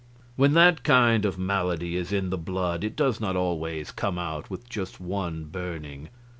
When that kind of a malady is in the blood it does not always come out with just one burning.